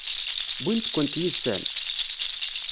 Wwin-kent yid-sen?